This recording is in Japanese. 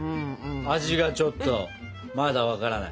味がちょっとまだ分からない。